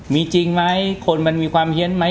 มีจริงไหมคนมันมีความเฮียนไหม